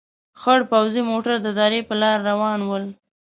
خړ پوځي موټر د درې په لار روان ول.